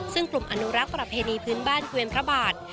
ซึ่งกลุ่มอนุรักษ์ประเพณีพื้นบ้านเกวียนพระบาท